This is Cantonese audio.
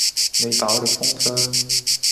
你飽歷風霜